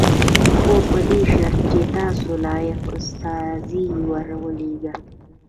خو په دې شرط چې تاسو لایق استازی ور ولېږئ.